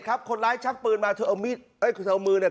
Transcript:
คนร้ายชักปืนมาเธอเอามีดเอ้ยเธอเอามือเนี่ย